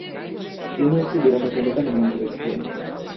তিনি এক বিরাট অট্টালিকা নির্মাণ করেছিলেন।